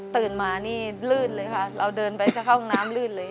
ตื่นมานี่ลื่นเลยค่ะเราเดินไปจะเข้าห้องน้ำลื่นเลย